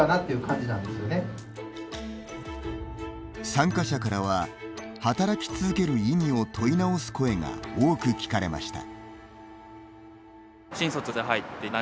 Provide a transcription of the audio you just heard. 参加者からは働き続ける意味を問い直す声が多く聞かれました。